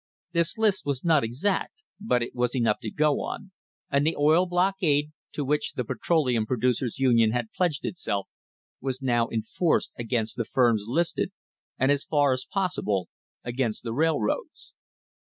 This list was not exact, but it was enough to go on, and the oil blockade, to which the Petroleum Producers' Union had pledged itself, was now enforced against the firms listed, and as far as possible against the railroads.